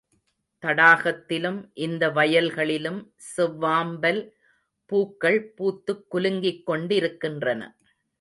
தடாகத்திலும், இந்த வயல்களிலும் செவ்வாம்பல் பூக்கள் பூத்துக் குலுங்கிக் கொண்டிருக்கின்றன.